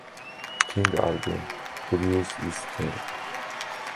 King album "Blues Is King".